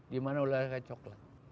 di mana diwilayahkan coklat